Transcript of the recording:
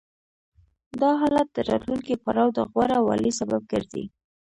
دا حالت د راتلونکي پړاو د غوره والي سبب ګرځي